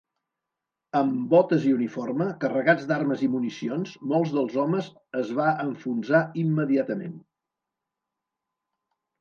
Amb botes i uniforme, carregats d'armes i municions, molts dels homes es va enfonsar immediatament.